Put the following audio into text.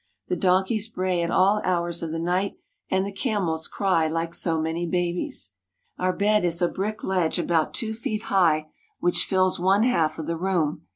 The donkeys bray at all hours of the night, and the camels cry like so many babies. Our bed is a brick ledge about two feet '^ high which fills one half of the room.